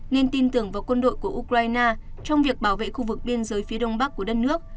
nên tin tưởng vào quân đội của ukraine trong việc bảo vệ khu vực biên giới phía đông bắc của đất nước